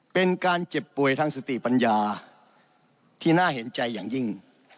เป็นการเจ็บป่วยทางสติปัญญาที่น่าเห็นใจอย่างยิ่ง